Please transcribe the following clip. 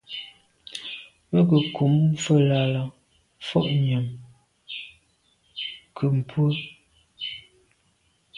Me be kum mfelàlà fotngab nyàm nke mbwe.